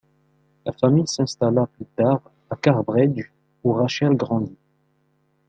La famille s'installa plus tard à Carrbridge où Rachel grandit.